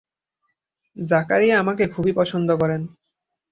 জাকারিয়া আমাকে খুবই পছন্দ করেন।